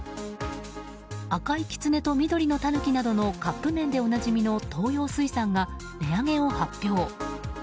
赤いきつねと緑のたぬきなどのカップ麺でおなじみの東洋水産が値上げを発表。